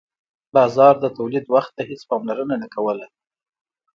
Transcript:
بازار د تولید وخت ته هیڅ پاملرنه نه کوله.